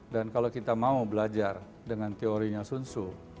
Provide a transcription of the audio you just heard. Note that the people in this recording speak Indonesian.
dan kalau kita mau belajar dengan teorinya sun tzu